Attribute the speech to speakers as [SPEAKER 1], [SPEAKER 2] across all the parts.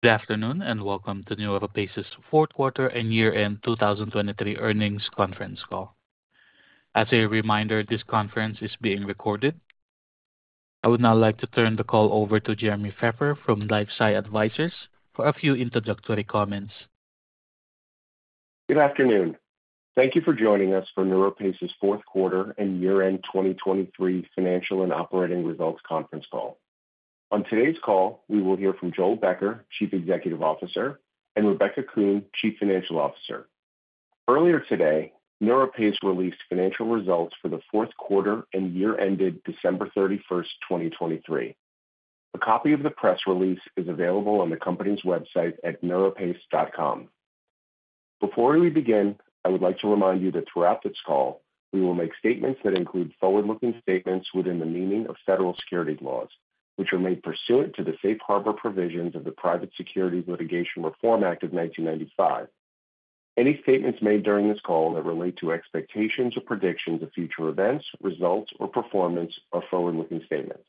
[SPEAKER 1] Good afternoon and welcome to NeuroPace's fourth-quarter and year-end 2023 earnings conference call. As a reminder, this conference is being recorded. I would now like to turn the call over to Jeremy Feffer from LifeSci Advisors for a few introductory comments.
[SPEAKER 2] Good afternoon. Thank you for joining us for NeuroPace's fourth-quarter and year-end 2023 financial and operating results conference call. On today's call, we will hear from Joel Becker, Chief Executive Officer, and Rebecca Kuhn, Chief Financial Officer. Earlier today, NeuroPace released financial results for the fourth quarter and year ended December 31, 2023. A copy of the press release is available on the company's website at neuropace.com. Before we begin, I would like to remind you that throughout this call we will make statements that include forward-looking statements within the meaning of federal securities laws, which are made pursuant to the Safe Harbor provisions of the Private Securities Litigation Reform Act of 1995. Any statements made during this call that relate to expectations or predictions of future events, results, or performance are forward-looking statements.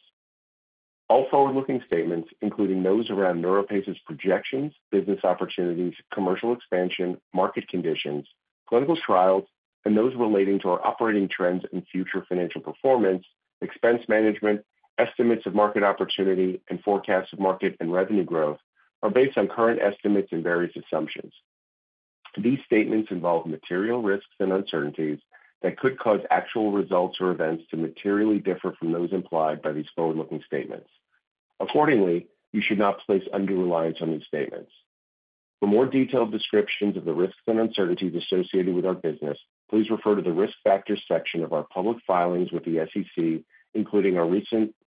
[SPEAKER 2] All forward-looking statements, including those around NeuroPace's projections, business opportunities, commercial expansion, market conditions, clinical trials, and those relating to our operating trends and future financial performance, expense management, estimates of market opportunity, and forecasts of market and revenue growth, are based on current estimates and various assumptions. These statements involve material risks and uncertainties that could cause actual results or events to materially differ from those implied by these forward-looking statements. Accordingly, you should not place undue reliance on these statements. For more detailed descriptions of the risks and uncertainties associated with our business, please refer to the risk factors section of our public filings with the SEC, including our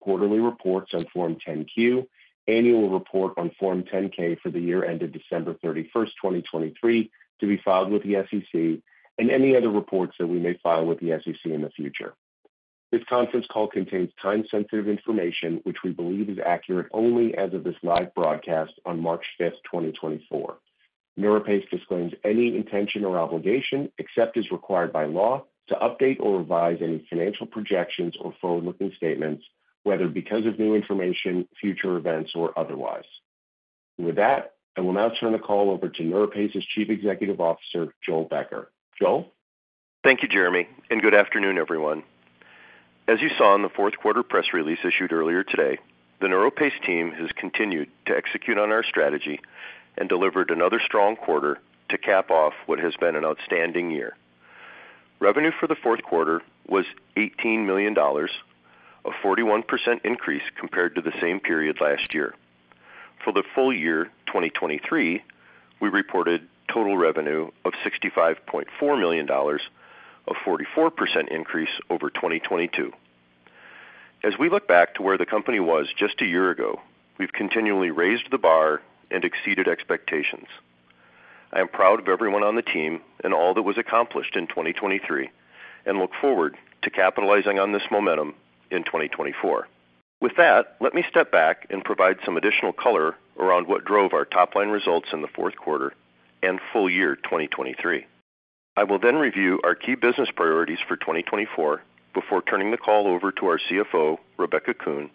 [SPEAKER 2] recent quarterly reports on Form 10-Q, annual report on Form 10-K for the year ended December 31, 2023, to be filed with the SEC, and any other reports that we may file with the SEC in the future. This conference call contains time-sensitive information, which we believe is accurate only as of this live broadcast on March 5, 2024. NeuroPace disclaims any intention or obligation, except as required by law, to update or revise any financial projections or forward-looking statements, whether because of new information, future events, or otherwise. With that, I will now turn the call over to NeuroPace's Chief Executive Officer, Joel Becker. Joel?
[SPEAKER 3] Thank you, Jeremy, and good afternoon, everyone. As you saw in the fourth-quarter press release issued earlier today, the NeuroPace team has continued to execute on our strategy and delivered another strong quarter to cap off what has been an outstanding year. Revenue for the fourth quarter was $18 million, a 41% increase compared to the same period last year. For the full year 2023, we reported total revenue of $65.4 million, a 44% increase over 2022. As we look back to where the company was just a year ago, we've continually raised the bar and exceeded expectations. I am proud of everyone on the team and all that was accomplished in 2023 and look forward to capitalizing on this momentum in 2024. With that, let me step back and provide some additional color around what drove our top-line results in the fourth quarter and full year 2023. I will then review our key business priorities for 2024 before turning the call over to our CFO, Rebecca Kuhn,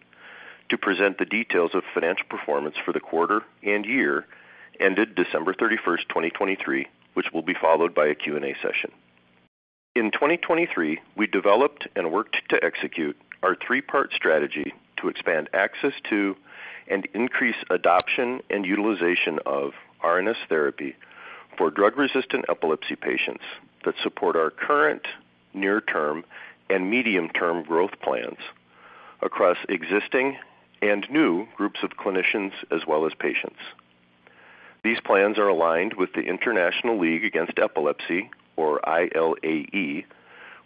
[SPEAKER 3] to present the details of financial performance for the quarter and year ended December 31, 2023, which will be followed by a Q&A session. In 2023, we developed and worked to execute our three-part strategy to expand access to and increase adoption and utilization of RNS therapy for drug-resistant epilepsy patients that support our current, near-term, and medium-term growth plans across existing and new groups of clinicians as well as patients. These plans are aligned with the International League Against Epilepsy, or ILAE,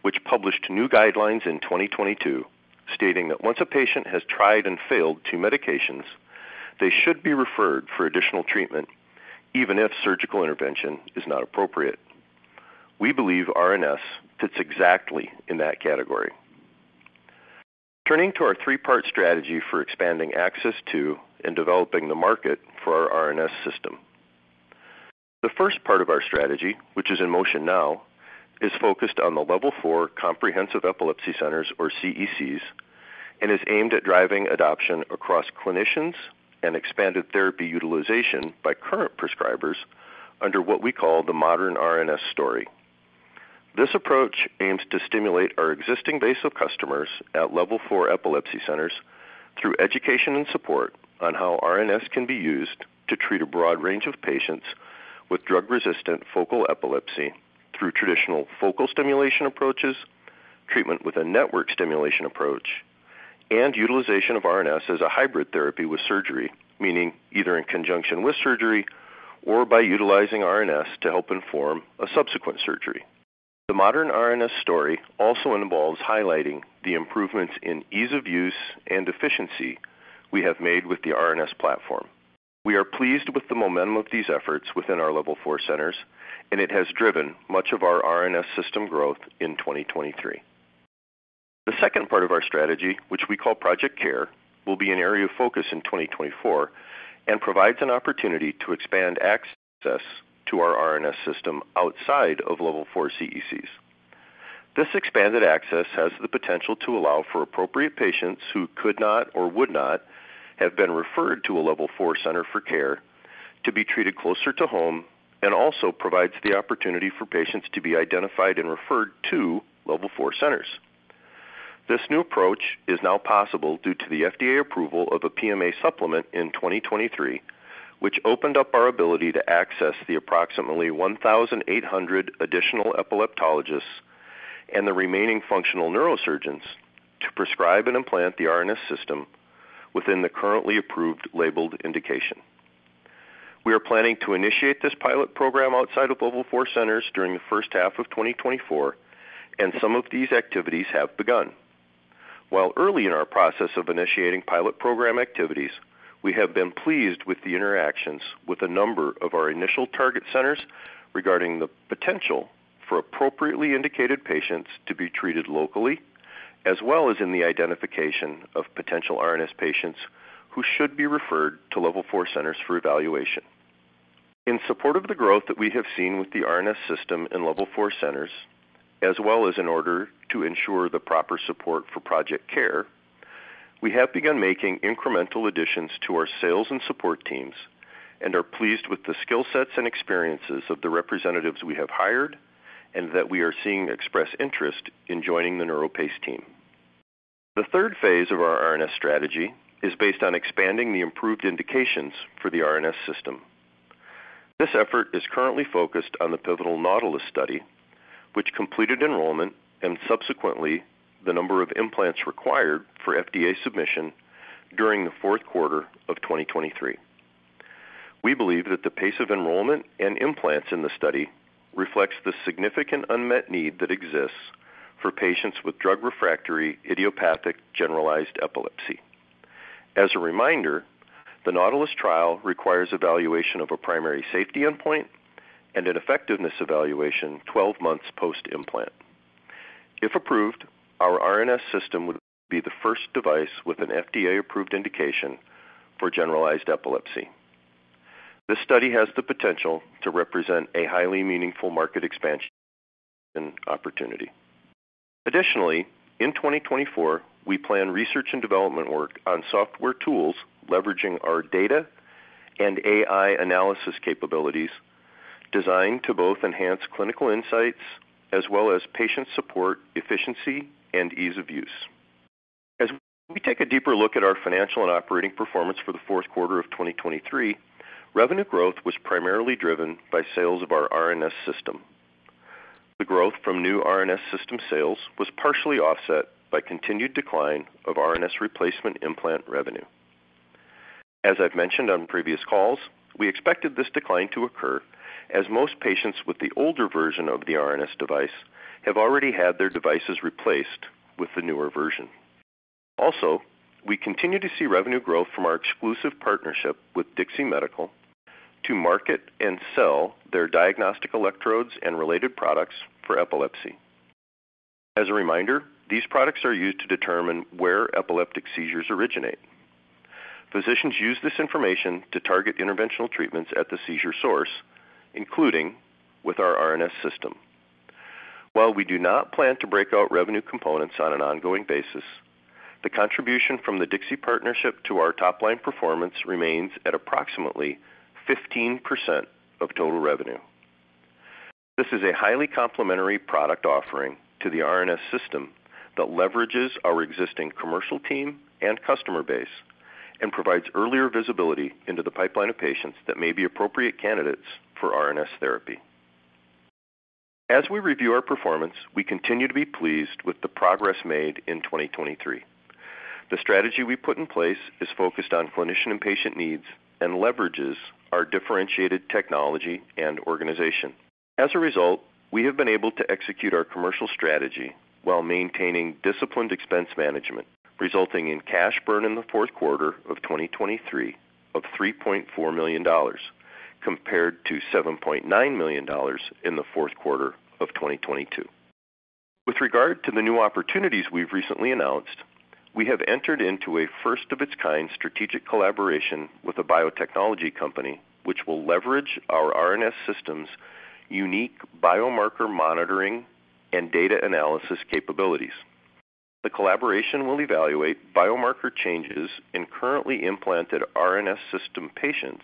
[SPEAKER 3] which published new guidelines in 2022 stating that once a patient has tried and failed two medications, they should be referred for additional treatment, even if surgical intervention is not appropriate. We believe RNS fits exactly in that category. Turning to our three-part strategy for expanding access to and developing the market for our RNS System. The first part of our strategy, which is in motion now, is focused on the Level 4 Comprehensive Epilepsy Centers, or CECs, and is aimed at driving adoption across clinicians and expanded therapy utilization by current prescribers under what we call the modern RNS story. This approach aims to stimulate our existing base of customers at Level 4 epilepsy centers through education and support on how RNS can be used to treat a broad range of patients with drug-resistant focal epilepsy through traditional focal stimulation approaches, treatment with a network stimulation approach, and utilization of RNS as a hybrid therapy with surgery, meaning either in conjunction with surgery or by utilizing RNS to help inform a subsequent surgery. The modern RNS story also involves highlighting the improvements in ease of use and efficiency we have made with the RNS platform. We are pleased with the momentum of these efforts within our Level 4 centers, and it has driven much of our RNS System growth in 2023. The second part of our strategy, which we call Project CARE, will be an area of focus in 2024 and provides an opportunity to expand access to our RNS System outside of Level 4 CECs. This expanded access has the potential to allow for appropriate patients who could not or would not have been referred to a Level 4 center for care to be treated closer to home and also provides the opportunity for patients to be identified and referred to Level 4 centers. This new approach is now possible due to the FDA approval of a PMA supplement in 2023, which opened up our ability to access the approximately 1,800 additional epileptologists and the remaining functional neurosurgeons to prescribe and implant the RNS System within the currently approved labeled indication. We are planning to initiate this pilot program outside of Level 4 centers during the first half of 2024, and some of these activities have begun. While early in our process of initiating pilot program activities, we have been pleased with the interactions with a number of our initial target centers regarding the potential for appropriately indicated patients to be treated locally, as well as in the identification of potential RNS patients who should be referred to Level 4 centers for evaluation. In support of the growth that we have seen with the RNS System in Level 4 centers, as well as in order to ensure the proper support for Project CARE, we have begun making incremental additions to our sales and support teams and are pleased with the skill sets and experiences of the representatives we have hired and that we are seeing express interest in joining the NeuroPace team. The third phase of our RNS strategy is based on expanding the improved indications for the RNS System. This effort is currently focused on the pivotal NAUTILUS study, which completed enrollment and subsequently the number of implants required for FDA submission during the fourth quarter of 2023. We believe that the pace of enrollment and implants in the study reflects the significant unmet need that exists for patients with drug-refractory idiopathic generalized epilepsy. As a reminder, the NAUTILUS trial requires evaluation of a primary safety endpoint and an effectiveness evaluation 12 months post-implant. If approved, our RNS System would be the first device with an FDA-approved indication for generalized epilepsy. This study has the potential to represent a highly meaningful market expansion opportunity. Additionally, in 2024, we plan research and development work on software tools leveraging our data and AI analysis capabilities designed to both enhance clinical insights as well as patient support efficiency and ease of use. As we take a deeper look at our financial and operating performance for the fourth quarter of 2023, revenue growth was primarily driven by sales of our RNS System. The growth from new RNS System sales was partially offset by continued decline of RNS replacement implant revenue. As I've mentioned on previous calls, we expected this decline to occur as most patients with the older version of the RNS device have already had their devices replaced with the newer version. Also, we continue to see revenue growth from our exclusive partnership with DIXI Medical to market and sell their diagnostic electrodes and related products for epilepsy. As a reminder, these products are used to determine where epileptic seizures originate. Physicians use this information to target interventional treatments at the seizure source, including with our RNS System. While we do not plan to break out revenue components on an ongoing basis, the contribution from the DIXI partnership to our top-line performance remains at approximately 15% of total revenue. This is a highly complementary product offering to the RNS System that leverages our existing commercial team and customer base and provides earlier visibility into the pipeline of patients that may be appropriate candidates for RNS therapy. As we review our performance, we continue to be pleased with the progress made in 2023. The strategy we put in place is focused on clinician and patient needs and leverages our differentiated technology and organization. As a result, we have been able to execute our commercial strategy while maintaining disciplined expense management, resulting in cash burn in the fourth quarter of 2023 of $3.4 million compared to $7.9 million in the fourth quarter of 2022. With regard to the new opportunities we've recently announced, we have entered into a first-of-its-kind strategic collaboration with a biotechnology company which will leverage our RNS System's unique biomarker monitoring and data analysis capabilities. The collaboration will evaluate biomarker changes in currently implanted RNS System patients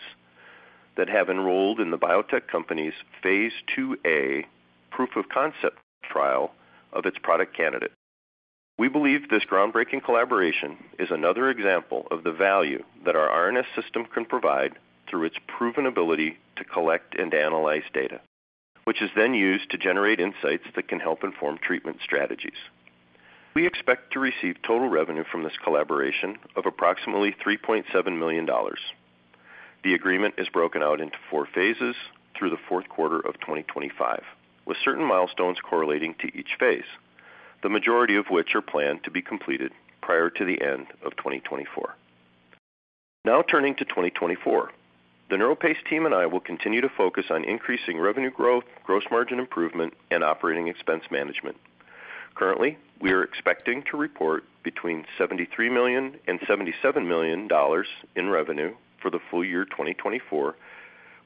[SPEAKER 3] that have enrolled in the biotech company's phase IIa proof-of-concept trial of its product candidate. We believe this groundbreaking collaboration is another example of the value that our RNS System can provide through its proven ability to collect and analyze data, which is then used to generate insights that can help inform treatment strategies. We expect to receive total revenue from this collaboration of approximately $3.7 million. The agreement is broken out into four phases through the fourth quarter of 2025, with certain milestones correlating to each phase, the majority of which are planned to be completed prior to the end of 2024. Now turning to 2024, the NeuroPace team and I will continue to focus on increasing revenue growth, gross margin improvement, and operating expense management. Currently, we are expecting to report between $73 million and $77 million in revenue for the full year 2024,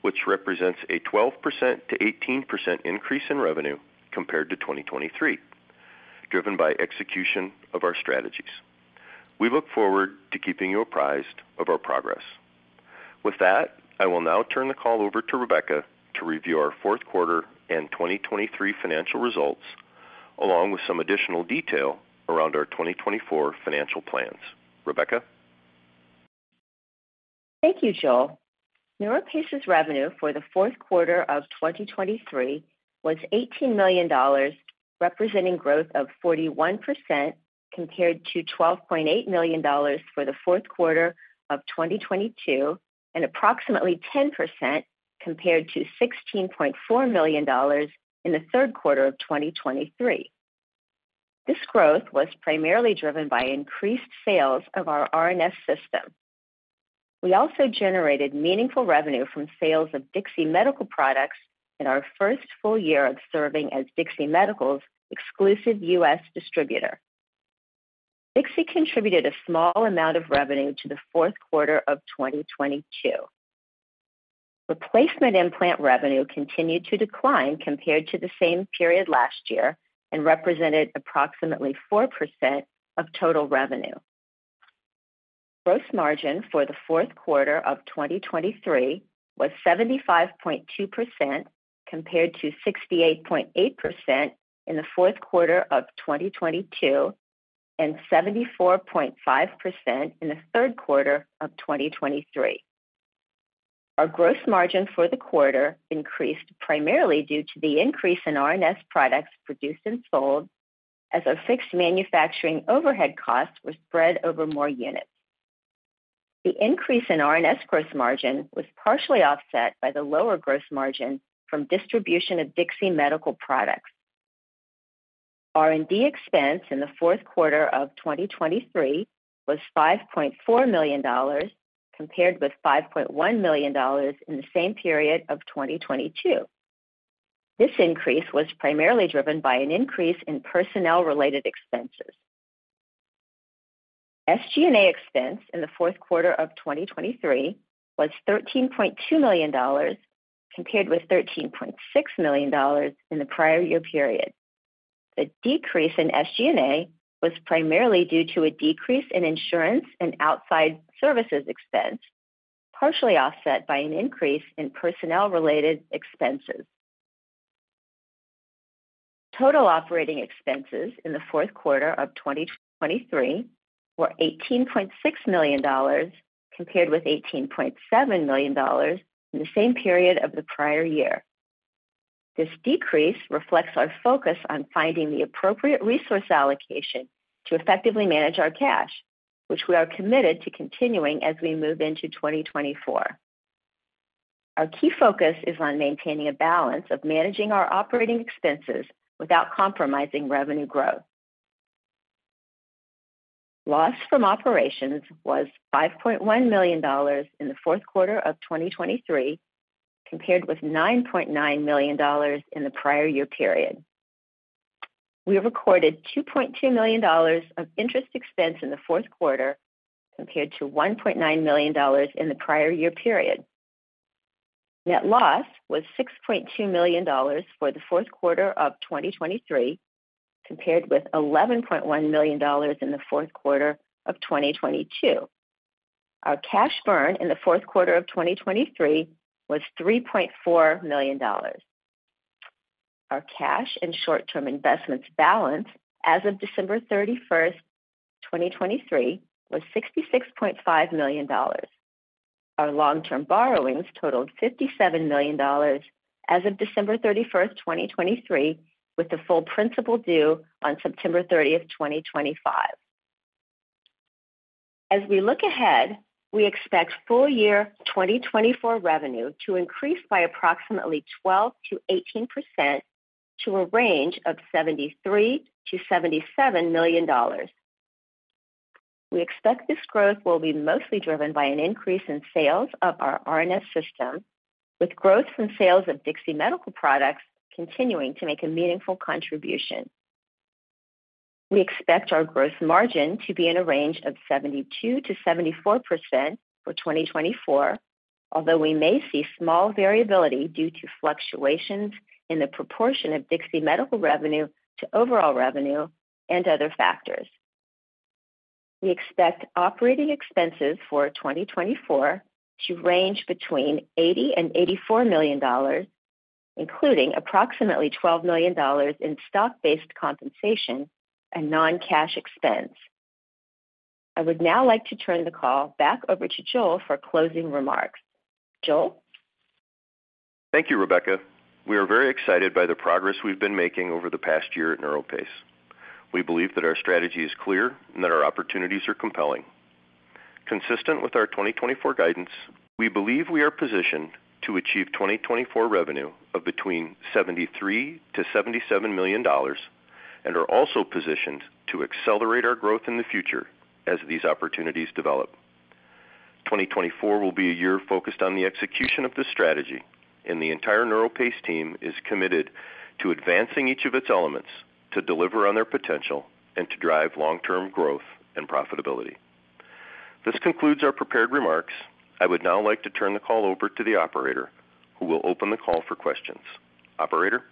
[SPEAKER 3] which represents a 12%-18% increase in revenue compared to 2023, driven by execution of our strategies. We look forward to keeping you apprised of our progress. With that, I will now turn the call over to Rebecca to review our fourth quarter and 2023 financial results along with some additional detail around our 2024 financial plans. Rebecca?
[SPEAKER 4] Thank you, Joel. NeuroPace's revenue for the fourth quarter of 2023 was $18 million, representing growth of 41% compared to $12.8 million for the fourth quarter of 2022 and approximately 10% compared to $16.4 million in the third quarter of 2023. This growth was primarily driven by increased sales of our RNS System. We also generated meaningful revenue from sales of DIXI Medical products in our first full year of serving as DIXI Medical's exclusive U.S. distributor. DIXI contributed a small amount of revenue to the fourth quarter of 2022. Replacement implant revenue continued to decline compared to the same period last year and represented approximately 4% of total revenue. Gross margin for the fourth quarter of 2023 was 75.2% compared to 68.8% in the fourth quarter of 2022 and 74.5% in the third quarter of 2023. Our gross margin for the quarter increased primarily due to the increase in RNS products produced and sold as our fixed manufacturing overhead costs were spread over more units. The increase in RNS gross margin was partially offset by the lower gross margin from distribution of DIXI Medical products. R&D expense in the fourth quarter of 2023 was $5.4 million compared with $5.1 million in the same period of 2022. This increase was primarily driven by an increase in personnel-related expenses. SG&A expense in the fourth quarter of 2023 was $13.2 million compared with $13.6 million in the prior year period. The decrease in SG&A was primarily due to a decrease in insurance and outside services expense, partially offset by an increase in personnel-related expenses. Total operating expenses in the fourth quarter of 2023 were $18.6 million compared with $18.7 million in the same period of the prior year. This decrease reflects our focus on finding the appropriate resource allocation to effectively manage our cash, which we are committed to continuing as we move into 2024. Our key focus is on maintaining a balance of managing our operating expenses without compromising revenue growth. Loss from operations was $5.1 million in the fourth quarter of 2023 compared with $9.9 million in the prior year period. We recorded $2.2 million of interest expense in the fourth quarter compared to $1.9 million in the prior year period. Net loss was $6.2 million for the fourth quarter of 2023 compared with $11.1 million in the fourth quarter of 2022. Our cash burn in the fourth quarter of 2023 was $3.4 million. Our cash and short-term investments balance as of December 31, 2023, was $66.5 million. Our long-term borrowings totaled $57 million as of December 31, 2023, with the full principal due on September 30, 2025. As we look ahead, we expect full-year 2024 revenue to increase by approximately 12%-18% to a range of $73 million-$77 million. We expect this growth will be mostly driven by an increase in sales of our RNS System, with growth from sales of DIXI Medical products continuing to make a meaningful contribution. We expect our gross margin to be in a range of 72%-74% for 2024, although we may see small variability due to fluctuations in the proportion of DIXI Medical revenue to overall revenue and other factors. We expect operating expenses for 2024 to range between $80 million and $84 million, including approximately $12 million in stock-based compensation and non-cash expense. I would now like to turn the call back over to Joel for closing remarks. Joel?
[SPEAKER 3] Thank you, Rebecca. We are very excited by the progress we've been making over the past year at NeuroPace. We believe that our strategy is clear and that our opportunities are compelling. Consistent with our 2024 guidance, we believe we are positioned to achieve 2024 revenue of between $73 million-$77 million and are also positioned to accelerate our growth in the future as these opportunities develop. 2024 will be a year focused on the execution of this strategy, and the entire NeuroPace team is committed to advancing each of its elements to deliver on their potential and to drive long-term growth and profitability. This concludes our prepared remarks. I would now like to turn the call over to the operator, who will open the call for questions. Operator?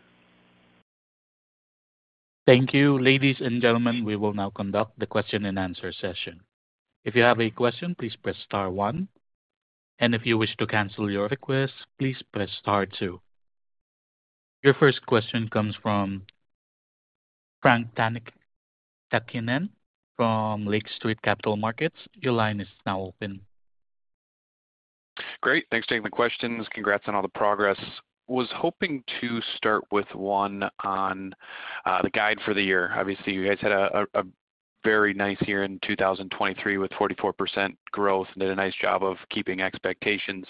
[SPEAKER 1] Thank you. Ladies and gentlemen, we will now conduct the question-and-answer session. If you have a question, please press star one. And if you wish to cancel your request, please press star two. Your first question comes from Frank Takkinen from Lake Street Capital Markets. Your line is now open.
[SPEAKER 5] Great. Thanks for taking the questions. Congrats on all the progress. Was hoping to start with one on the guide for the year. Obviously, you guys had a very nice year in 2023 with 44% growth and did a nice job of keeping expectations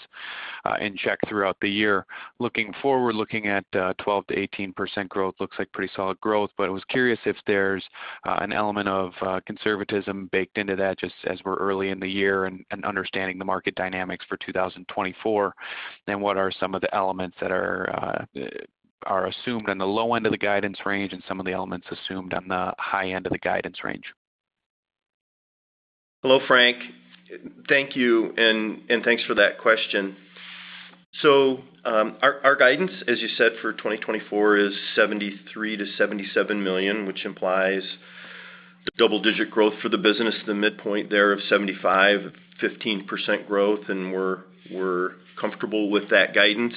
[SPEAKER 5] in check throughout the year. Looking forward, looking at 12%-18% growth, looks like pretty solid growth. But I was curious if there's an element of conservatism baked into that just as we're early in the year and understanding the market dynamics for 2024, and what are some of the elements that are assumed on the low end of the guidance range and some of the elements assumed on the high end of the guidance range?
[SPEAKER 3] Hello, Frank. Thank you, and thanks for that question. So our guidance, as you said, for 2024 is $73 million-$77 million, which implies the double-digit growth for the business, the midpoint there of $75 million, 15% growth, and we're comfortable with that guidance.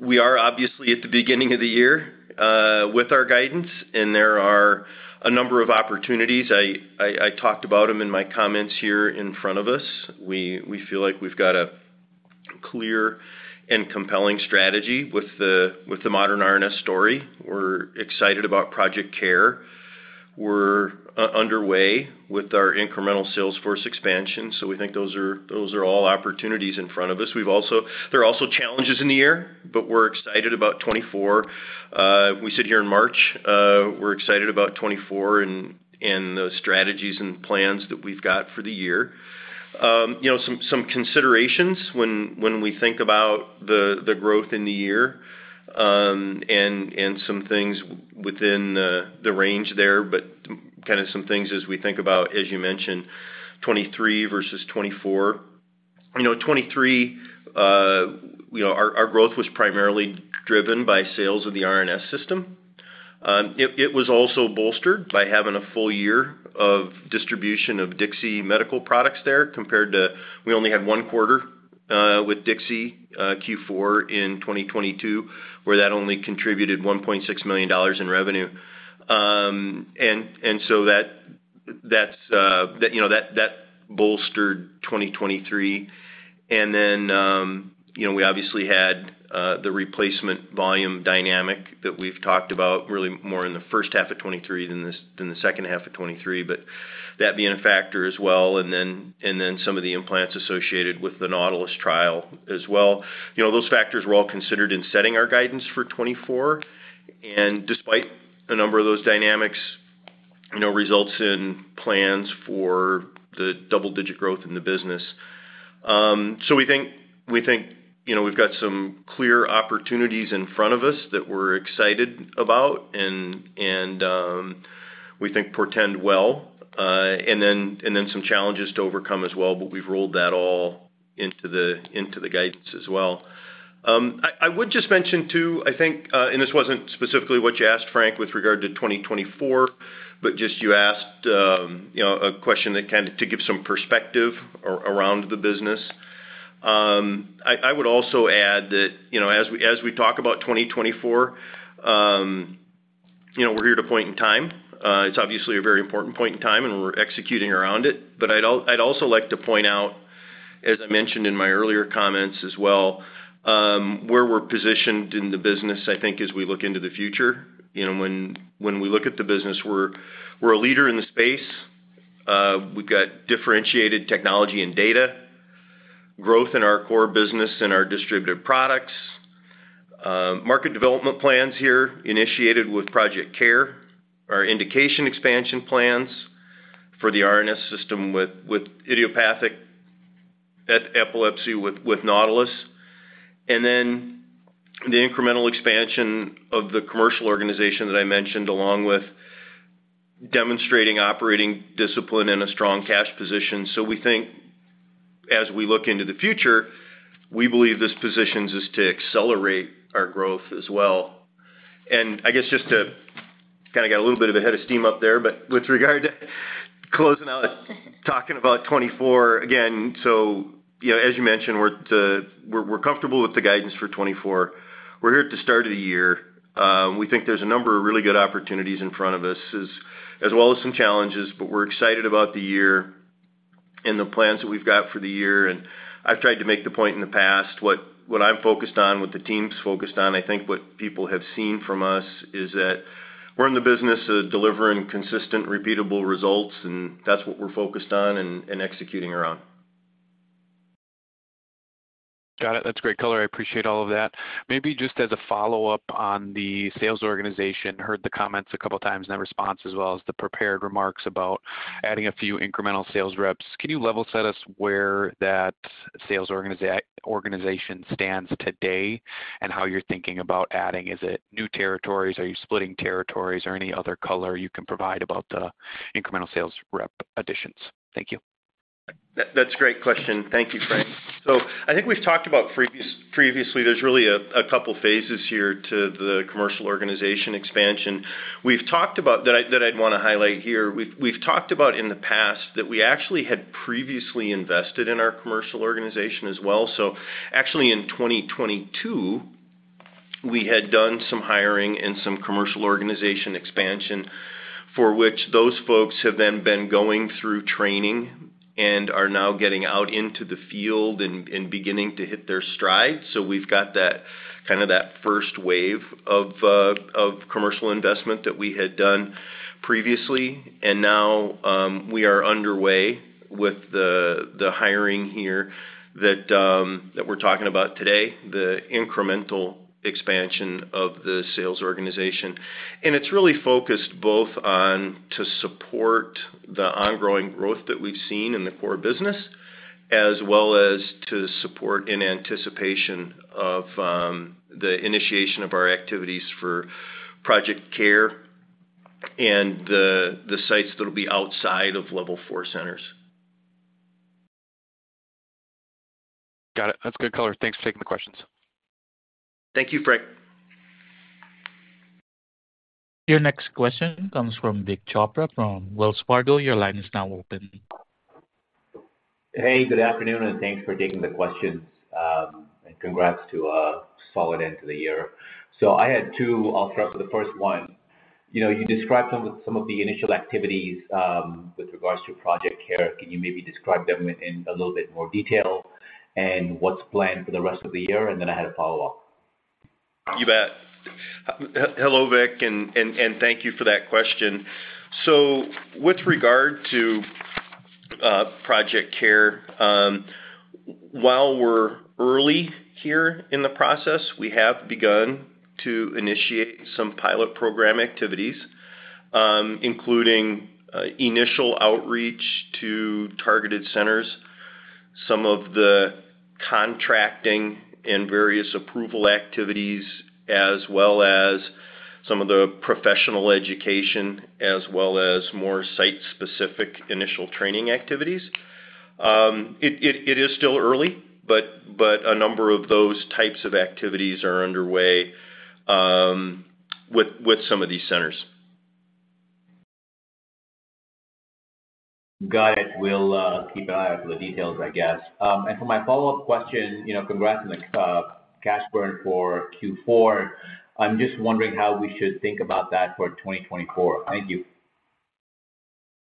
[SPEAKER 3] We are obviously at the beginning of the year with our guidance, and there are a number of opportunities. I talked about them in my comments here in front of us. We feel like we've got a clear and compelling strategy with the modern RNS story. We're excited about Project CARE. We're underway with our incremental salesforce expansion, so we think those are all opportunities in front of us. There are also challenges in the year, but we're excited about 2024. We said here in March, we're excited about 2024 and the strategies and plans that we've got for the year. Some considerations when we think about the growth in the year and some things within the range there, but kind of some things as we think about, as you mentioned, 2023 versus 2024. 2023, our growth was primarily driven by sales of the RNS System. It was also bolstered by having a full year of distribution of DIXI Medical products there compared to we only had one quarter with DIXI Q4 in 2022 where that only contributed $1.6 million in revenue. And so that bolstered 2023. And then we obviously had the replacement volume dynamic that we've talked about really more in the first half of 2023 than the second half of 2023, but that being a factor as well, and then some of the implants associated with the NAUTILUS trial as well. Those factors were all considered in setting our guidance for 2024. And despite a number of those dynamics, results in plans for the double-digit growth in the business. So we think we've got some clear opportunities in front of us that we're excited about, and we think portend well. And then some challenges to overcome as well, but we've rolled that all into the guidance as well. I would just mention too, I think and this wasn't specifically what you asked, Frank, with regard to 2024, but just you asked a question that kind of to give some perspective around the business. I would also add that as we talk about 2024, we're here at a point in time. It's obviously a very important point in time, and we're executing around it. But I'd also like to point out, as I mentioned in my earlier comments as well, where we're positioned in the business, I think, as we look into the future. When we look at the business, we're a leader in the space. We've got differentiated technology and data, growth in our core business and our distributed products, market development plans here initiated with Project CARE, our indication expansion plans for the RNS System with idiopathic epilepsy with NAUTILUS, and then the incremental expansion of the commercial organization that I mentioned, along with demonstrating operating discipline and a strong cash position. So we think as we look into the future, we believe this positions us to accelerate our growth as well. And I guess just to kind of get a little bit of a head of steam up there, but with regard to closing out talking about 2024, again, so as you mentioned, we're comfortable with the guidance for 2024. We're here at the start of the year. We think there's a number of really good opportunities in front of us, as well as some challenges, but we're excited about the year and the plans that we've got for the year. And I've tried to make the point in the past, what I'm focused on, what the team's focused on. I think what people have seen from us is that we're in the business of delivering consistent, repeatable results, and that's what we're focused on and executing around.
[SPEAKER 5] Got it. That's great color. I appreciate all of that. Maybe just as a follow-up on the sales organization, heard the comments a couple of times in that response, as well as the prepared remarks about adding a few incremental sales reps. Can you level set us where that sales organization stands today and how you're thinking about adding? Is it new territories? Are you splitting territories? Or any other color you can provide about the incremental sales rep additions? Thank you.
[SPEAKER 3] That's a great question. Thank you, Frank. So I think we've talked about previously. There's really a couple of phases here to the commercial organization expansion that I'd want to highlight here. We've talked about in the past that we actually had previously invested in our commercial organization as well. So actually, in 2022, we had done some hiring and some commercial organization expansion for which those folks have then been going through training and are now getting out into the field and beginning to hit their strides. So we've got kind of that first wave of commercial investment that we had done previously. And now we are underway with the hiring here that we're talking about today, the incremental expansion of the sales organization. It's really focused both on to support the ongoing growth that we've seen in the core business, as well as to support in anticipation of the initiation of our activities for Project CARE and the sites that'll be outside of Level 4 centers.
[SPEAKER 5] Got it. That's good color. Thanks for taking the questions.
[SPEAKER 3] Thank you, Frank.
[SPEAKER 1] Your next question comes from Vik Chopra from Wells Fargo. Your line is now open.
[SPEAKER 6] Hey, good afternoon, and thanks for taking the questions. Congrats to a solid end to the year. I had two. I'll start with the first one. You described some of the initial activities with regards to Project CARE. Can you maybe describe them in a little bit more detail and what's planned for the rest of the year? Then I had a follow-up.
[SPEAKER 3] You bet. Hello, Vik, and thank you for that question. So with regard to Project CARE, while we're early here in the process, we have begun to initiate some pilot program activities, including initial outreach to targeted centers, some of the contracting and various approval activities, as well as some of the professional education, as well as more site-specific initial training activities. It is still early, but a number of those types of activities are underway with some of these centers.
[SPEAKER 6] Got it. We'll keep an eye out for the details, I guess. For my follow-up question, congrats on the cash burn for Q4. I'm just wondering how we should think about that for 2024. Thank you.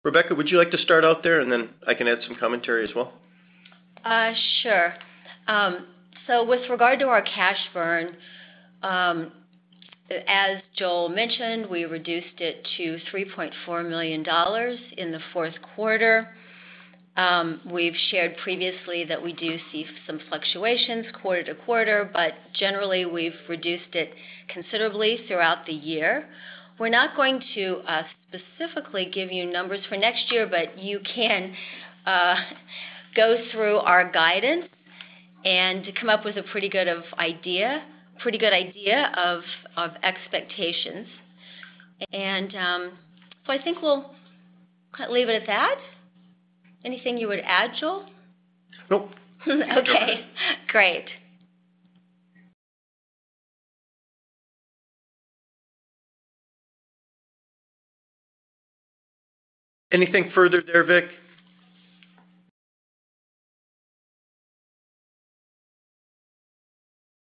[SPEAKER 3] Rebecca, would you like to start out there, and then I can add some commentary as well?
[SPEAKER 4] Sure. So with regard to our cash burn, as Joel mentioned, we reduced it to $3.4 million in the fourth quarter. We've shared previously that we do see some fluctuations quarter to quarter, but generally, we've reduced it considerably throughout the year. We're not going to specifically give you numbers for next year, but you can go through our guidance and come up with a pretty good idea of expectations. So I think we'll leave it at that. Anything you would add, Joel?
[SPEAKER 3] Nope.
[SPEAKER 4] Okay. Great.
[SPEAKER 3] Anything further there, Vik?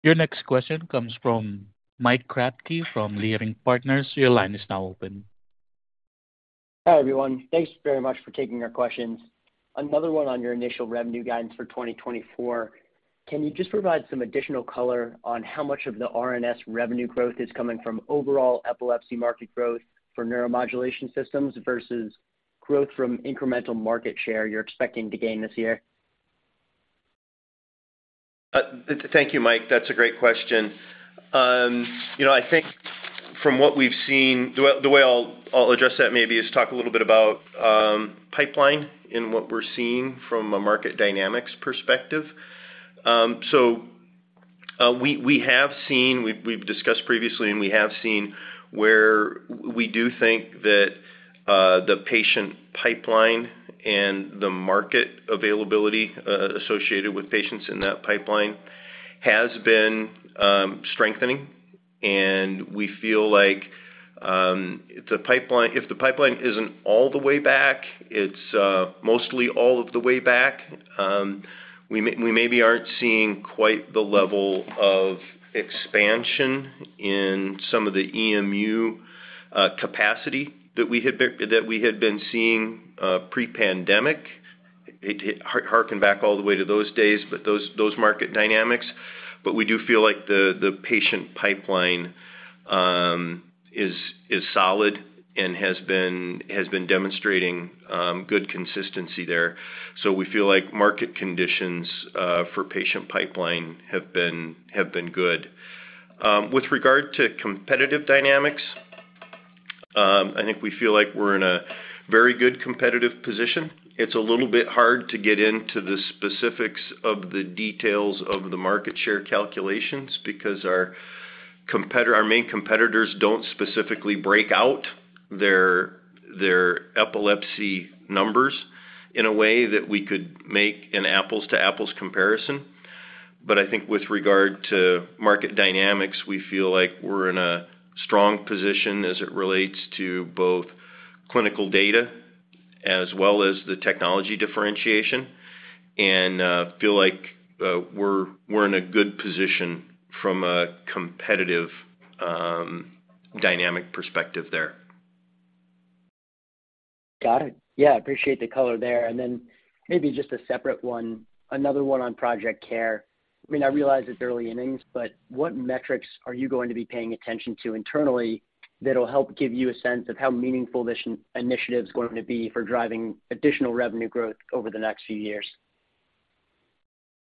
[SPEAKER 1] Your next question comes from Mike Kratky from Leerink Partners. Your line is now open.
[SPEAKER 7] Hi, everyone. Thanks very much for taking our questions. Another one on your initial revenue guidance for 2024. Can you just provide some additional color on how much of the RNS revenue growth is coming from overall epilepsy market growth for neuromodulation systems versus growth from incremental market share you're expecting to gain this year?
[SPEAKER 3] Thank you, Mike. That's a great question. I think from what we've seen, the way I'll address that maybe is talk a little bit about pipeline and what we're seeing from a market dynamics perspective. So we have seen we've discussed previously, and we have seen where we do think that the patient pipeline and the market availability associated with patients in that pipeline has been strengthening. And we feel like if the pipeline isn't all the way back, it's mostly all of the way back, we maybe aren't seeing quite the level of expansion in some of the EMU capacity that we had been seeing pre-pandemic, harking back all the way to those days, but those market dynamics. But we do feel like the patient pipeline is solid and has been demonstrating good consistency there. So we feel like market conditions for patient pipeline have been good. With regard to competitive dynamics, I think we feel like we're in a very good competitive position. It's a little bit hard to get into the specifics of the details of the market share calculations because our main competitors don't specifically break out their epilepsy numbers in a way that we could make an apples-to-apples comparison. But I think with regard to market dynamics, we feel like we're in a strong position as it relates to both clinical data as well as the technology differentiation and feel like we're in a good position from a competitive dynamic perspective there.
[SPEAKER 7] Got it. Yeah, I appreciate the color there. And then maybe just a separate one, another one on Project CARE. I mean, I realize it's early innings, but what metrics are you going to be paying attention to internally that'll help give you a sense of how meaningful this initiative's going to be for driving additional revenue growth over the next few years?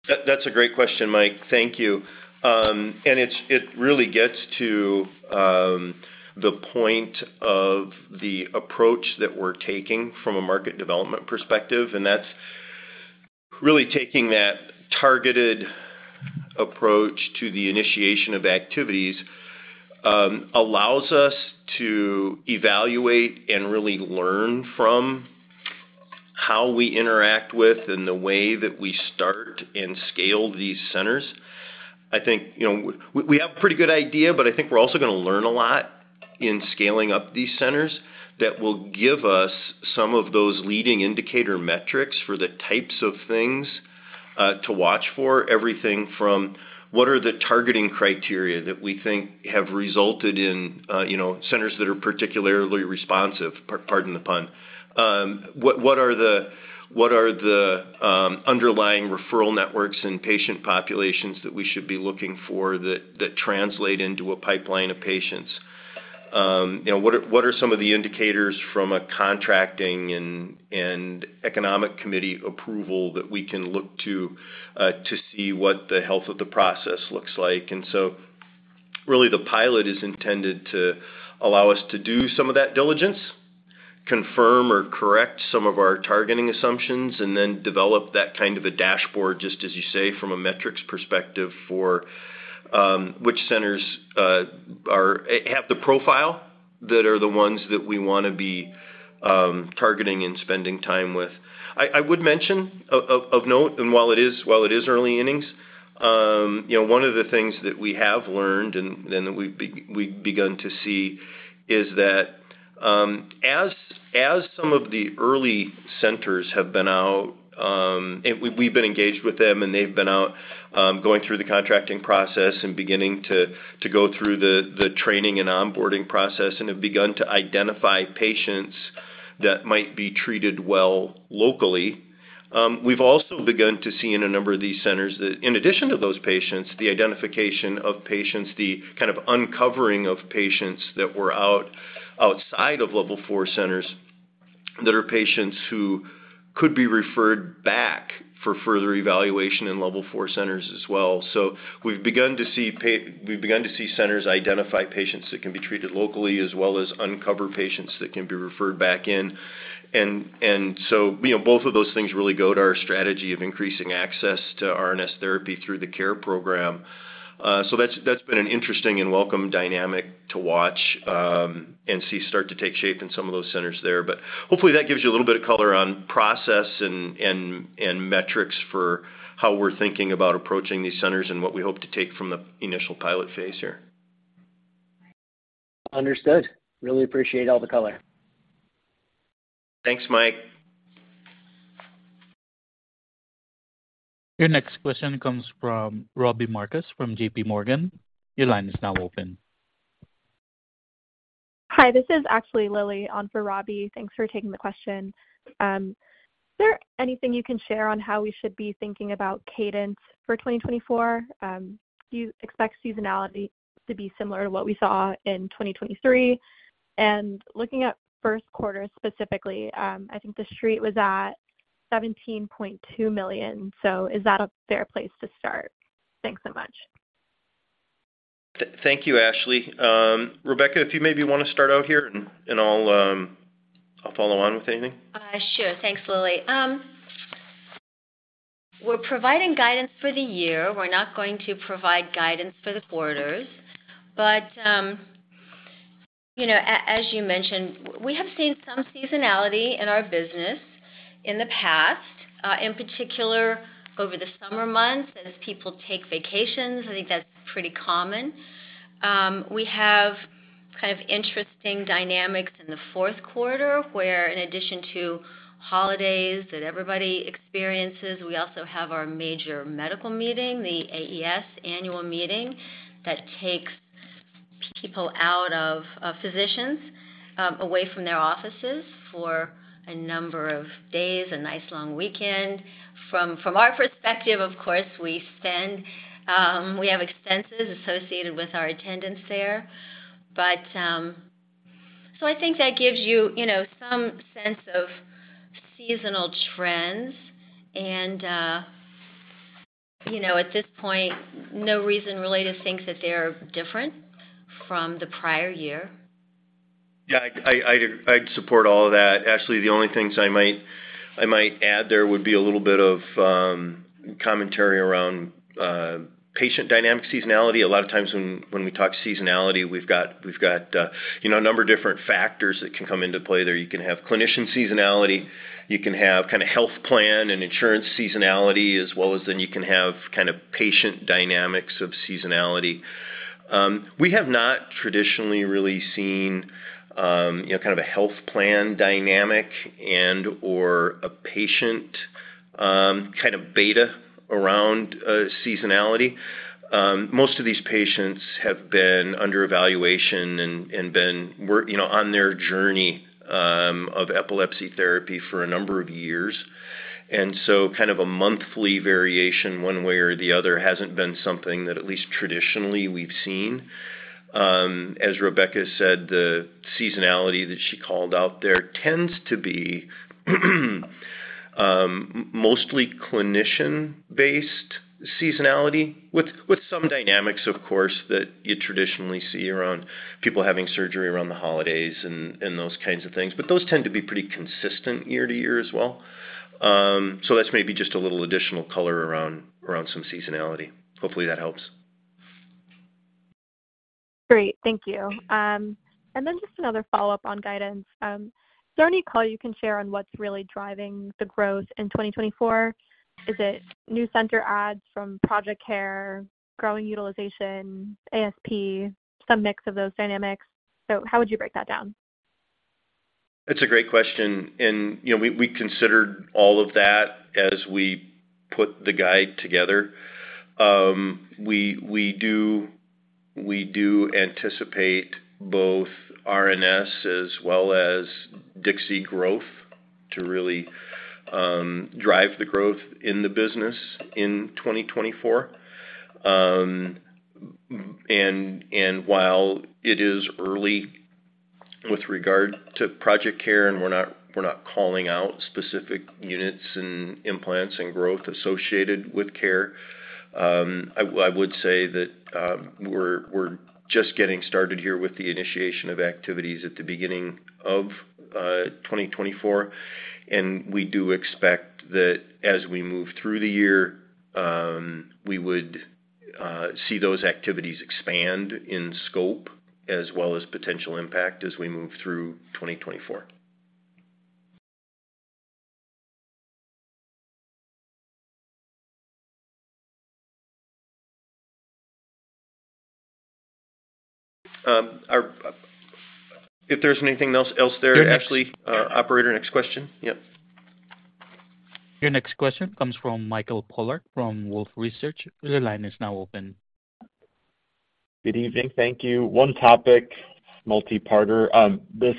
[SPEAKER 3] That's a great question, Mike. Thank you. It really gets to the point of the approach that we're taking from a market development perspective. That's really taking that targeted approach to the initiation of activities allows us to evaluate and really learn from how we interact with and the way that we start and scale these centers. I think we have a pretty good idea, but I think we're also going to learn a lot in scaling up these centers that will give us some of those leading indicator metrics for the types of things to watch for, everything from what are the targeting criteria that we think have resulted in centers that are particularly responsive, pardon the pun, what are the underlying referral networks and patient populations that we should be looking for that translate into a pipeline of patients, what are some of the indicators from a contracting and economic committee approval that we can look to see what the health of the process looks like. Really, the pilot is intended to allow us to do some of that diligence, confirm or correct some of our targeting assumptions, and then develop that kind of a dashboard, just as you say, from a metrics perspective for which centers have the profile that are the ones that we want to be targeting and spending time with. I would mention, of note, and while it is early innings, one of the things that we have learned and that we've begun to see is that as some of the early centers have been out and we've been engaged with them, and they've been out going through the contracting process and beginning to go through the training and onboarding process and have begun to identify patients that might be treated well locally, we've also begun to see in a number of these centers, in addition to those patients, the identification of patients, the kind of uncovering of patients that were outside of Level 4 centers that are patients who could be referred back for further evaluation in Level 4 centers as well. So we've begun to see centers identify patients that can be treated locally as well as uncover patients that can be referred back in. And so both of those things really go to our strategy of increasing access to RNS therapy through the CARE program. So that's been an interesting and welcome dynamic to watch and see start to take shape in some of those centers there. But hopefully, that gives you a little bit of color on process and metrics for how we're thinking about approaching these centers and what we hope to take from the initial pilot phase here.
[SPEAKER 7] Understood. Really appreciate all the color.
[SPEAKER 3] Thanks, Mike.
[SPEAKER 1] Your next question comes from Robbie Marcus from JPMorgan. Your line is now open.
[SPEAKER 8] Hi, this is Ashley Lilly on for Robbie. Thanks for taking the question. Is there anything you can share on how we should be thinking about cadence for 2024? Do you expect seasonality to be similar to what we saw in 2023? Looking at first quarter specifically, I think the street was at $17.2 million. So is that a fair place to start? Thanks so much.
[SPEAKER 3] Thank you, Ashley. Rebecca, if you maybe want to start out here, and I'll follow on with anything.
[SPEAKER 4] Sure. Thanks, Lilly. We're providing guidance for the year. We're not going to provide guidance for the quarters. But as you mentioned, we have seen some seasonality in our business in the past, in particular over the summer months as people take vacations. I think that's pretty common. We have kind of interesting dynamics in the fourth quarter where, in addition to holidays that everybody experiences, we also have our major medical meeting, the AES annual meeting that takes physicians away from their offices for a number of days, a nice long weekend. From our perspective, of course, we have expenses associated with our attendance there. So I think that gives you some sense of seasonal trends. And at this point, no reason really to think that they are different from the prior year.
[SPEAKER 3] Yeah, I'd support all of that. Actually, the only things I might add there would be a little bit of commentary around patient dynamic seasonality. A lot of times when we talk seasonality, we've got a number of different factors that can come into play there. You can have clinician seasonality. You can have kind of health plan and insurance seasonality, as well as then you can have kind of patient dynamics of seasonality. We have not traditionally really seen kind of a health plan dynamic and/or a patient kind of beta around seasonality. Most of these patients have been under evaluation and been on their journey of epilepsy therapy for a number of years. And so kind of a monthly variation one way or the other hasn't been something that at least traditionally we've seen. As Rebecca said, the seasonality that she called out there tends to be mostly clinician-based seasonality, with some dynamics, of course, that you traditionally see around people having surgery around the holidays and those kinds of things. But those tend to be pretty consistent year to year as well. So that's maybe just a little additional color around some seasonality. Hopefully, that helps.
[SPEAKER 8] Great. Thank you. And then just another follow-up on guidance. Is there any color you can share on what's really driving the growth in 2024? Is it new center adds from Project CARE, growing utilization, ASP, some mix of those dynamics? So how would you break that down?
[SPEAKER 3] That's a great question. We considered all of that as we put the guide together. We do anticipate both RNS as well as DIXI growth to really drive the growth in the business in 2024. While it is early with regard to Project CARE and we're not calling out specific units and implants and growth associated with CARE, I would say that we're just getting started here with the initiation of activities at the beginning of 2024. We do expect that as we move through the year, we would see those activities expand in scope as well as potential impact as we move through 2024. If there's anything else there, Ashley, operator, next question. Yep.
[SPEAKER 1] Your next question comes from Michael Polark from Wolfe Research. Your line is now open.
[SPEAKER 9] Good evening. Thank you. One topic, multi-parter. This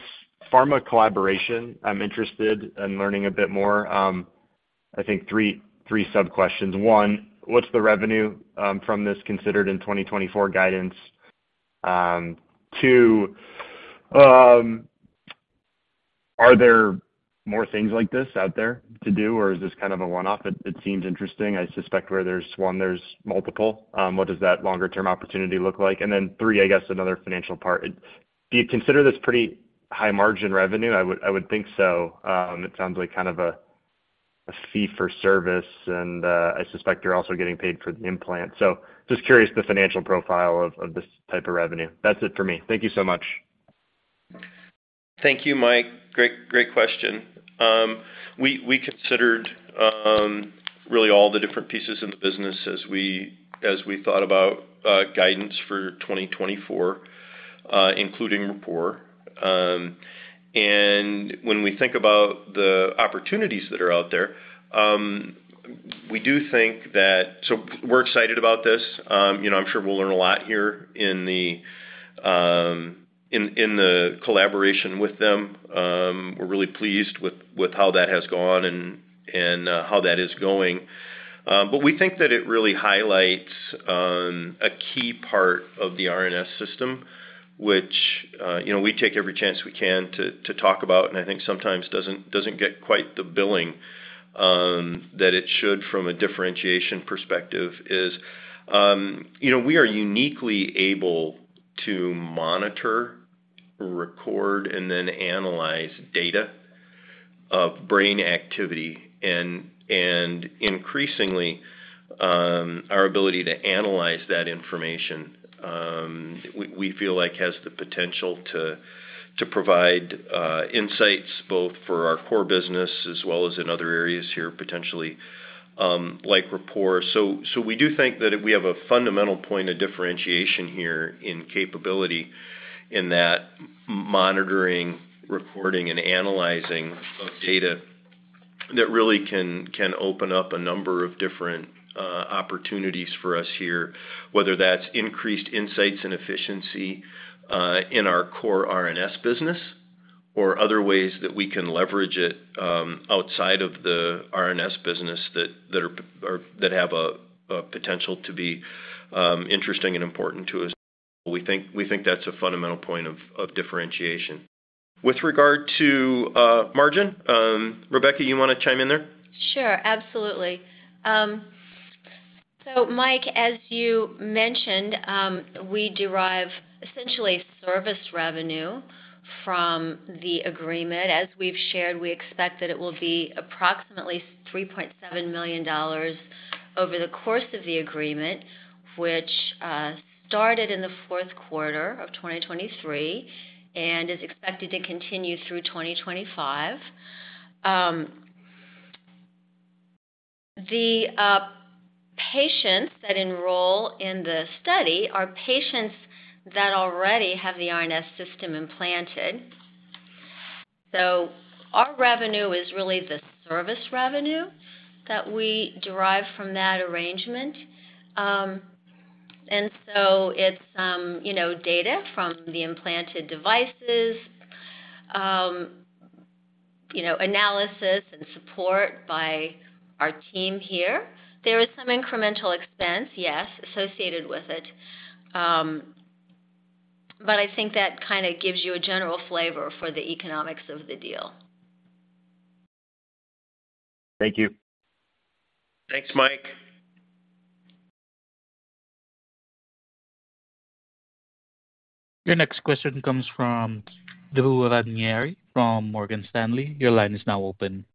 [SPEAKER 9] pharma collaboration, I'm interested in learning a bit more. I think three sub-questions. One, what's the revenue from this considered in 2024 guidance? Two, are there more things like this out there to do, or is this kind of a one-off? It seems interesting. I suspect where there's one, there's multiple. What does that longer-term opportunity look like? And then three, I guess, another financial part. Do you consider this pretty high-margin revenue? I would think so. It sounds like kind of a fee for service, and I suspect you're also getting paid for the implant. So just curious the financial profile of this type of revenue. That's it for me. Thank you so much.
[SPEAKER 3] Thank you, Mike. Great question. We considered really all the different pieces in the business as we thought about guidance for 2024, including Rapport. And when we think about the opportunities that are out there, we do think that so we're excited about this. I'm sure we'll learn a lot here in the collaboration with them. We're really pleased with how that has gone and how that is going. But we think that it really highlights a key part of the RNS System, which we take every chance we can to talk about, and I think sometimes doesn't get quite the billing that it should from a differentiation perspective, is we are uniquely able to monitor, record, and then analyze data of brain activity. Increasingly, our ability to analyze that information, we feel like, has the potential to provide insights both for our core business as well as in other areas here, potentially, like Rapport. We do think that we have a fundamental point of differentiation here in capability in that monitoring, recording, and analyzing of data that really can open up a number of different opportunities for us here, whether that's increased insights and efficiency in our core RNS business or other ways that we can leverage it outside of the RNS business that have a potential to be interesting and important to us. We think that's a fundamental point of differentiation. With regard to margin, Rebecca, you want to chime in there?
[SPEAKER 4] Sure. Absolutely. So Mike, as you mentioned, we derive essentially service revenue from the agreement. As we've shared, we expect that it will be approximately $3.7 million over the course of the agreement, which started in the fourth quarter of 2023 and is expected to continue through 2025. The patients that enroll in the study are patients that already have the RNS System implanted. So our revenue is really the service revenue that we derive from that arrangement. And so it's data from the implanted devices, analysis, and support by our team here. There is some incremental expense, yes, associated with it. But I think that kind of gives you a general flavor for the economics of the deal.
[SPEAKER 9] Thank you.
[SPEAKER 3] Thanks, Mike.
[SPEAKER 1] Your next question comes from Drew Ranieri from Morgan Stanley. Your line is now open.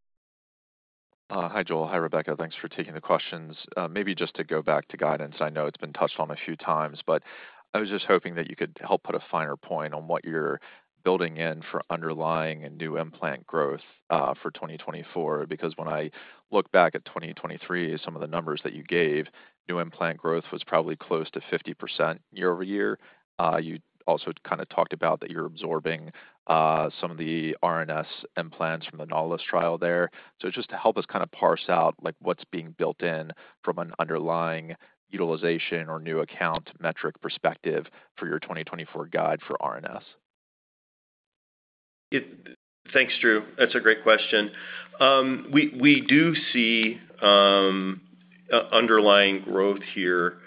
[SPEAKER 10] Hi, Joel. Hi, Rebecca. Thanks for taking the questions. Maybe just to go back to guidance, I know it's been touched on a few times, but I was just hoping that you could help put a finer point on what you're building in for underlying and new implant growth for 2024. Because when I look back at 2023, some of the numbers that you gave, new implant growth was probably close to 50% year-over-year. You also kind of talked about that you're absorbing some of the RNS implants from the NAUTILUS trial there. So just to help us kind of parse out what's being built in from an underlying utilization or new account metric perspective for your 2024 guide for RNS.
[SPEAKER 3] Thanks, Drew. That's a great question. We do see underlying growth here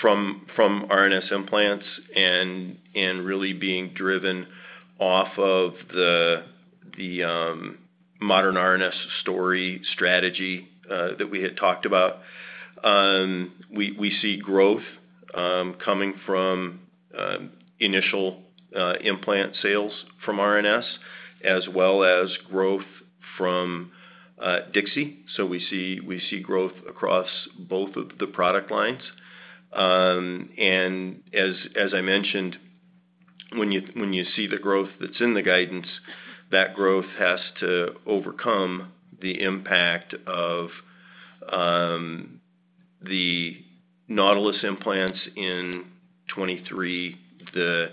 [SPEAKER 3] from RNS implants and really being driven off of the modern RNS story strategy that we had talked about. We see growth coming from initial implant sales from RNS as well as growth from DIXI. So we see growth across both of the product lines. As I mentioned, when you see the growth that's in the guidance, that growth has to overcome the impact of the NAUTILUS implants in 2023, the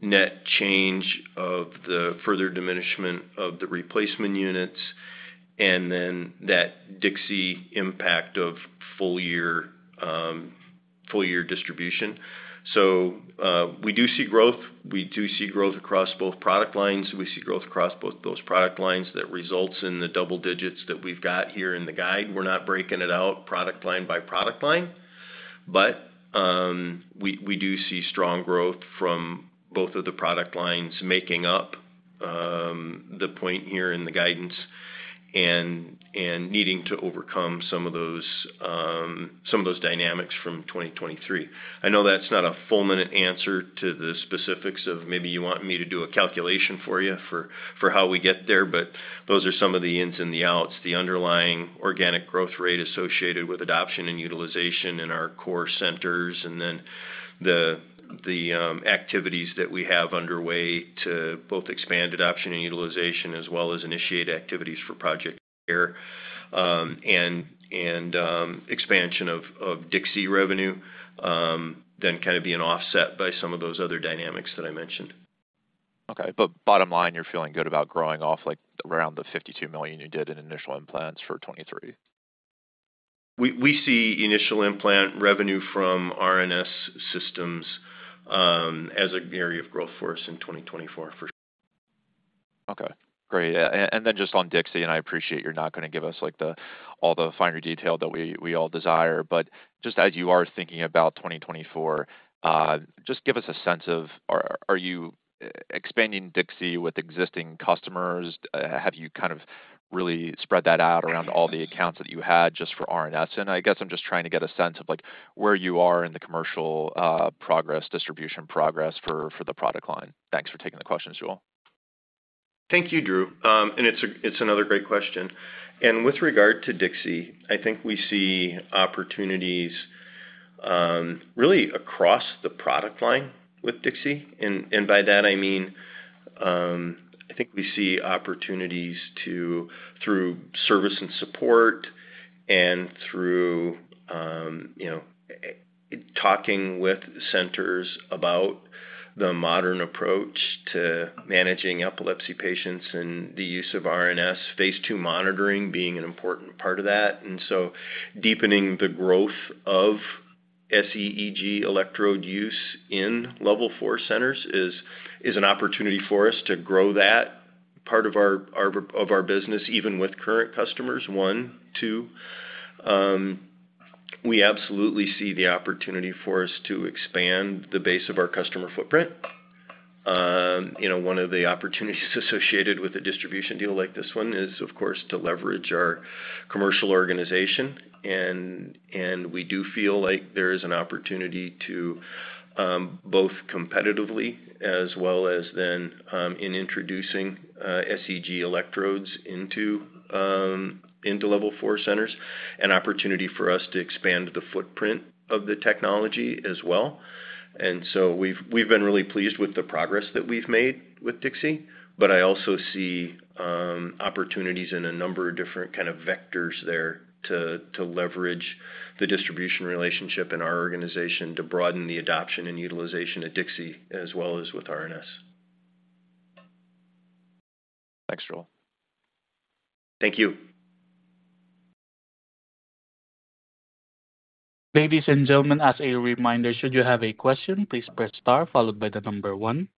[SPEAKER 3] net change of the further diminishment of the replacement units, and then that DIXI impact of full-year distribution. So we do see growth. We do see growth across both product lines. We see growth across both those product lines that results in the double digits that we've got here in the guide. We're not breaking it out product line by product line. But we do see strong growth from both of the product lines making up the point here in the guidance and needing to overcome some of those dynamics from 2023. I know that's not a full-minute answer to the specifics of maybe you want me to do a calculation for you for how we get there, but those are some of the ins and the outs, the underlying organic growth rate associated with adoption and utilization in our core centers and then the activities that we have underway to both expand adoption and utilization as well as initiate activities for Project CARE and expansion of DIXI revenue, then kind of be an offset by some of those other dynamics that I mentioned.
[SPEAKER 10] Okay. But bottom line, you're feeling good about growing off around the $52 million you did in initial implants for 2023?
[SPEAKER 3] We see initial implant revenue from RNS Systems as an area of growth force in 2024, for sure.
[SPEAKER 10] Okay. Great. And then just on DIXI, and I appreciate you're not going to give us all the finer detail that we all desire, but just as you are thinking about 2024, just give us a sense of are you expanding DIXI with existing customers? Have you kind of really spread that out around all the accounts that you had just for RNS? And I guess I'm just trying to get a sense of where you are in the commercial progress, distribution progress for the product line. Thanks for taking the questions, Joel.
[SPEAKER 3] Thank you, Drew. It's another great question. With regard to DIXI, I think we see opportunities really across the product line with DIXI. By that, I mean, I think we see opportunities through service and support and through talking with centers about the modern approach to managing epilepsy patients and the use of RNS, phase II monitoring being an important part of that. So deepening the growth of SEEG electrode use in Level 4 centers is an opportunity for us to grow that part of our business, even with current customers, one, two. We absolutely see the opportunity for us to expand the base of our customer footprint. One of the opportunities associated with a distribution deal like this one is, of course, to leverage our commercial organization. We do feel like there is an opportunity to both competitively as well as then in introducing SEEG electrodes into Level 4 centers, an opportunity for us to expand the footprint of the technology as well. And so we've been really pleased with the progress that we've made with DIXI. But I also see opportunities in a number of different kind of vectors there to leverage the distribution relationship in our organization to broaden the adoption and utilization of DIXI as well as with RNS.
[SPEAKER 10] Thanks, Joel.
[SPEAKER 3] Thank you.
[SPEAKER 1] Ladies and gentlemen, as a reminder, should you have a question, please press star followed by the number one.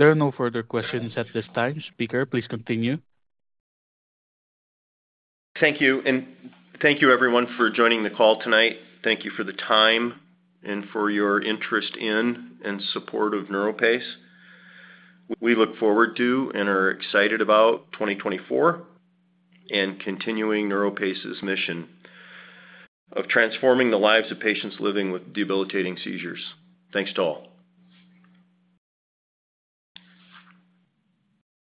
[SPEAKER 1] There are no further questions at this time. Speaker, please continue.
[SPEAKER 3] Thank you. And thank you, everyone, for joining the call tonight. Thank you for the time and for your interest in and support of NeuroPace. We look forward to and are excited about 2024 and continuing NeuroPace's mission of transforming the lives of patients living with debilitating seizures. Thanks to all.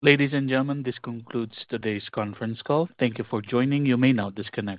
[SPEAKER 1] Ladies and gentlemen, this concludes today's conference call. Thank you for joining. You may now disconnect.